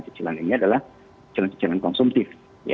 cicilan ini adalah cicilan cicilan konsumtif